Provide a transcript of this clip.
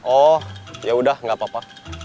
oh yaudah gak apa apa